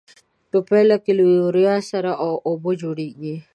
په پایله کې له یوریا سره او اوبه جوړیږي.